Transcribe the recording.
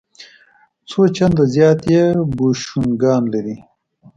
څو چنده زیات یې بوشونګان لري.